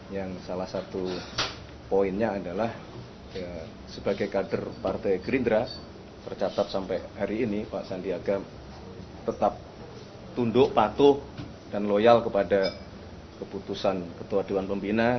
yang salah satu poinnya adalah sebagai kader partai gerindra tercatat sampai hari ini pak sandiaga tetap tunduk patuh dan loyal kepada keputusan ketua dewan pembina